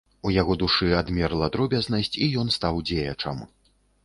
У яго душы адмерла дробязнасць, і ён стаў дзеячам.